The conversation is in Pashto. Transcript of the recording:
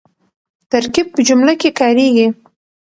ترکیب په جمله کښي کاریږي.